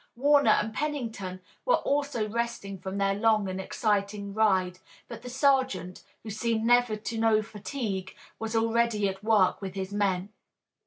Warner and Pennington were also resting from their long and exciting ride, but the sergeant, who seemed never to know fatigue, was already at work with his men.